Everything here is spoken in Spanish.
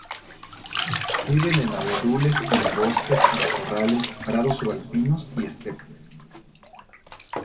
Viven en abedules y en bosques, matorrales, prados subalpinos y estepas.